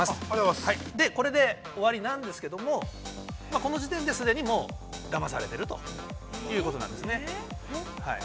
◆これで終わりなんですけれども、この時点で既にだまされているということなんですね。